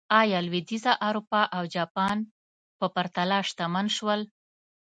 ایا لوېدیځه اروپا او جاپان په پرتله شتمن شول.